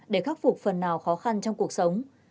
để khắc phục phần nào khó khăn trong cuộc sống